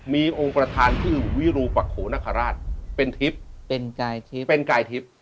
มีองค์ประธานคือวิรูปะโขนคราชเป็นทิศเป็นกายทิศ